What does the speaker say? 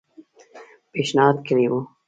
پېشنهاد کړی وو.